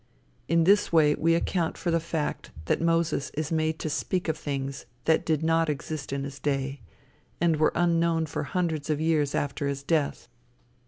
In this way we account for the fact that Moses is made to speak of things that did not exist in his day, and were unknown for hundreds of years after his death.